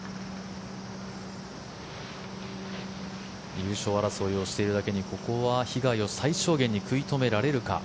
優勝争いをしているだけにここは被害を最小限に食い止められるか。